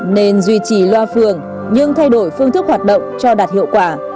nên duy trì loa phường nhưng thay đổi phương thức hoạt động cho đạt hiệu quả